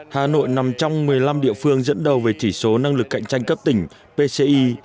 hà nội nằm trong một mươi năm địa phương dẫn đầu về chỉ số năng lực cạnh tranh cấp tỉnh pci